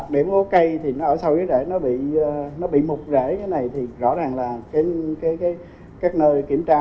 nếu cây thì nó ở sâu dưới rễ nó bị mục rễ như thế này thì rõ ràng là các nơi kiểm tra